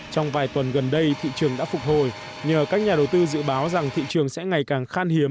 trong vài tuần gần đây thị trường đã phục hồi nhờ các nhà đầu tư dự báo rằng thị trường sẽ ngày càng khan hiếm